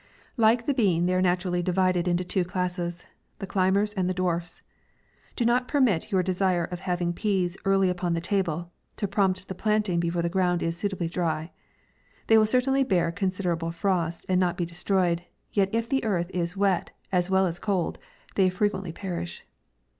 Like the bean they are naturally divided into two classes : the climbers and the dwarfs. Do not permit your desire of having peas early upon the table, to prompt the.planting before the ground is suitably dry. They will certainly bear considerable frost and not be destroyed, yet if the earth is wet as well as cold, they frequently perish.